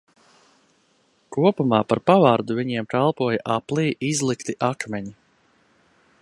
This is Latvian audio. Kopumā par pavardu viņiem kalpoja aplī izlikti akmeņi.